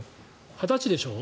２０歳でしょ？